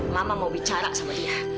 lama mau bicara sama dia